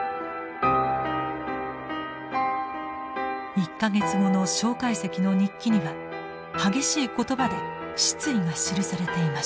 １か月後の介石の日記には激しい言葉で失意が記されていました。